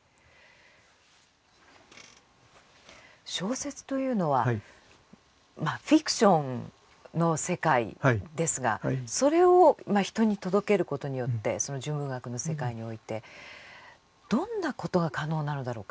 小説というのはフィクションの世界ですがそれを人に届けることによってその純文学の世界においてどんなことが可能なのだろうか。